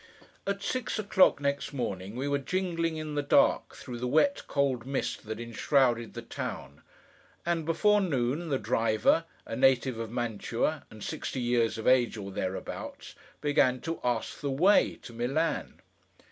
At six o'clock next morning, we were jingling in the dark through the wet cold mist that enshrouded the town; and, before noon, the driver (a native of Mantua, and sixty years of age or thereabouts) began to ask the way to Milan.